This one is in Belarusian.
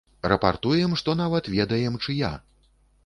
Рапартуем, што нават ведаем, чыя.